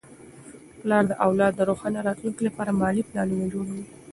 پلار د اولاد د روښانه راتلونکي لپاره مالي پلانونه جوړوي.